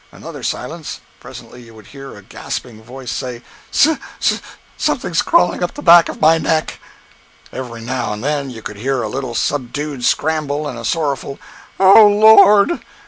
Another silence. Presently you would hear a gasping voice say: "Su su something's crawling up the back of my neck!" Every now and then you could hear a little subdued scramble and a sorrowful "O Lord!"